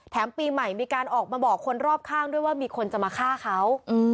ปีใหม่มีการออกมาบอกคนรอบข้างด้วยว่ามีคนจะมาฆ่าเขา